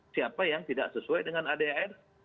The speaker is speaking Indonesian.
siapa yang tidak sesuai dengan adr